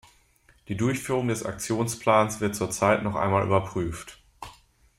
Die Durchführung des Aktionsplans wird zur Zeit noch einmal überprüft.